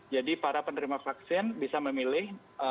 jadi para penerima vaksin bisa memilih